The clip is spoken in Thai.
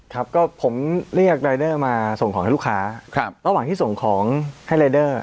ครับก็ผมเรียกรายเดอร์มาส่งของให้ลูกค้าครับระหว่างที่ส่งของให้รายเดอร์